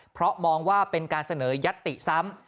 เพราะมองว่าเป็นการเสนอยัตติซ้ำ